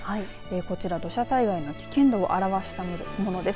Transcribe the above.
こちら土砂災害の危険度を表したものです。